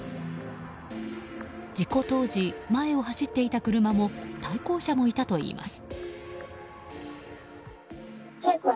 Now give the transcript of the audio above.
事故当時、前を走っていた車も対向車もいたといいます。